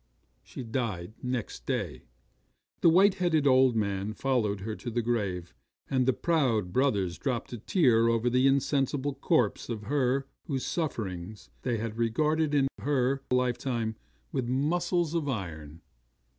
'She died next day. The white headed old man followed her to the grave, and the proud brothers dropped a tear over the insensible corpse of her whose sufferings they had regarded in her lifetime with muscles of iron.